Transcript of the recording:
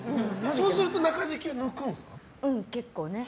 そうすると中敷きを抜くんですか。